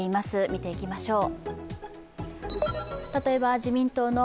見ていきましょう。